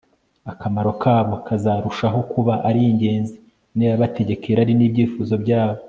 akamaro kabo kazarushaho kuba ari ingenzi niba bategeka irari n'ibyifuzo byabo